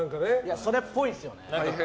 それっぽいですよね。